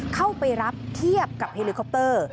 เข้าไปรับเทียบกับเฮลิคอปเตอร์